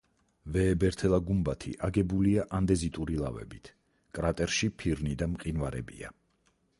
ვეებერთელა გუმბათი აგებულია ანდეზიტური ლავებით, კრატერში ფირნი და მყინვარებია.